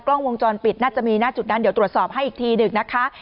กล้องวงจรปิดน่าจะมีหน้าจุดนั้นเดี๋ยวตรวจสอบให้อีกทีหนึ่งนะคะ